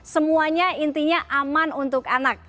semuanya intinya aman untuk anak